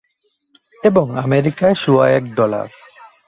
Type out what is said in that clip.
এবং আমেরিকায় সোয়া এক ডলার।